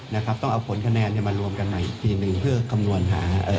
นะครับต้องเอาผลคะแนนเนี่ยมารวมกันใหม่อีกทีหนึ่งเพื่อคำนวณหาเอ่อ